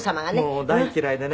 もう大嫌いでね。